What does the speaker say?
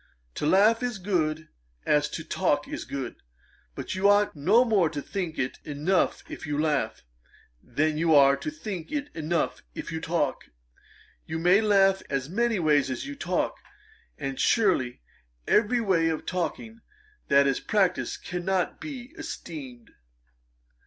To laugh is good, as to talk is good. But you ought no more to think it enough if you laugh, than you are to think it enough if you talk. You may laugh in as many ways as you talk; and surely every way of talking that is practised cannot be esteemed.' [Page 450: Mark's WESTERN ISLES. A.D.